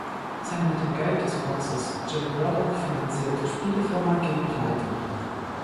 Seine mit dem Geld des Boxers Jim Braddock finanzierte Spielefirma ging pleite.